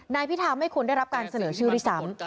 นายพิทาไม่ควรได้รับการเสนอชื่อรีสัม